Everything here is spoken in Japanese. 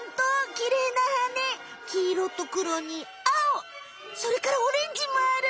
きいろとくろにあおそれからオレンジもある！